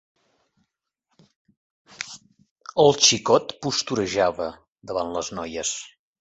El xicot posturejava davant les noies.